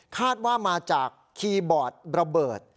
คาดว่ามาจากคีย์บอร์ดระเบิด